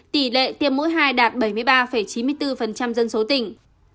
tỷ lệ tiêm mỗi hai đạt bảy mươi ba chín mươi bốn dân số tỉnh